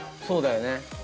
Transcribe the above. そうだよね。